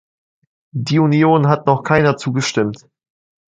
Die Union hat noch keiner zugestimmt.